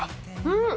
うん！